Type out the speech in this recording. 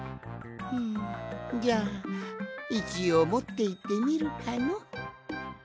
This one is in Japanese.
んじゃあいちおうもっていってみるかの。